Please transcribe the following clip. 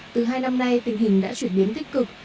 từ hai năm nay tình hình đã chuyển biến tích cực